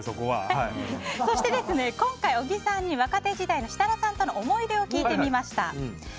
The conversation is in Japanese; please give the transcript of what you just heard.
そして今回、小木さんに若手時代の設楽さんとの思い出を聞いてみました。